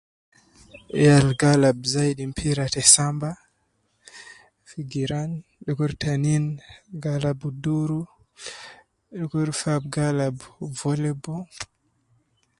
Fi kariya tayi te te ummah tayi mon ga alab lib ,lib likwa, lib kos kos.